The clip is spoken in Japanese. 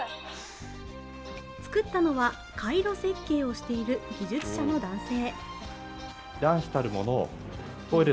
作ったのは、回路設計をしている技術者の男性。